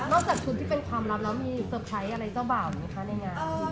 จากชุดที่เป็นความลับแล้วมีเตอร์ไพรส์อะไรเจ้าบ่าวไหมคะในงาน